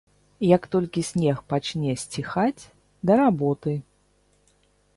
Як толькі снег пачне сціхаць, да работы!